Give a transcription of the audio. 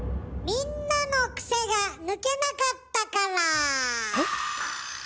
みんなのクセが抜けなかった？